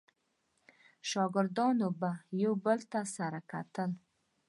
شاګردانو به یو بل ته سره وکتل.